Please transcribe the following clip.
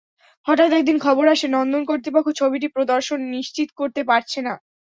হঠাৎ একদিন খবর আসে নন্দন কর্তৃপক্ষ ছবিটি প্রদর্শন নিশ্চিত করতে পারছে না।